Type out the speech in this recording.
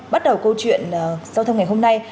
bắt đầu câu chuyện giao thông ngày hôm nay